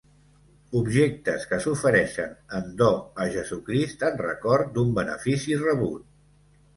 Objectes que s'ofereixen en do a Jesucrist en record d'un benefici rebut.